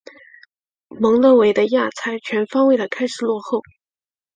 蒙得维的亚才全方位的开始落后。